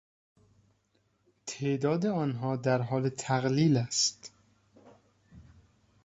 تعداد آنها در حال تقلیل است.